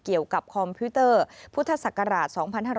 เกี่ยวกับคอมพิวเตอร์พุทธศักราช๒๕๕๐